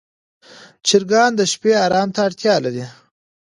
چرګان د شپې آرام ته اړتیا لري.